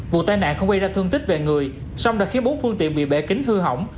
vụ tai nạn không gây ra thương tích về người song đã khiến bốn phương tiện bị bể kính hư hỏng